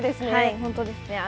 本当ですね。